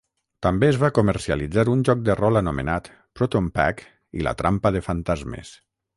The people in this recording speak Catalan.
També es va comercialitzar un joc de rol anomenat "Proton Pack i la trampa de fantasmes".